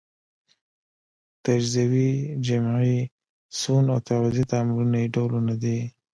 تجزیوي، جمعي، سون او تعویضي تعاملونه یې ډولونه دي.